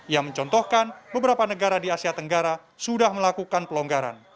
ia mencontohkan beberapa negara di asia tenggara sudah melakukan pelonggaran